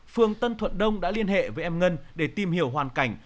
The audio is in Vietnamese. phường tân thuận đông đã liên hệ với em ngân để tìm hiểu hoàn cảnh